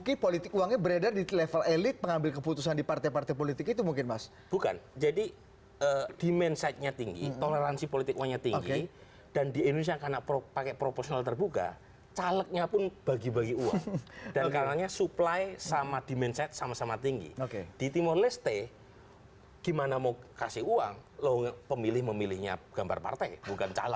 kepala kepala kepala kepala kepala kepala kepala kepala kepala kepala